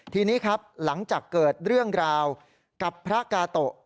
ทีนี้ครับหลังจากเกิดเรื่องราวกับพระกาโตะ